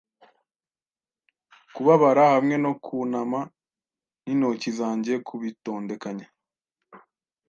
kubabara hamwe no kunama n'intoki zanjye kubitondekanya.